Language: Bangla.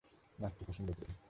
নাচতে পছন্দ করি!